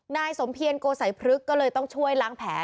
นายสมเพียรโกสัยพฤกษ์ก็เลยต้องช่วยล้างแผล